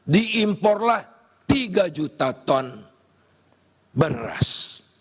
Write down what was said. diimporlah tiga juta ton beras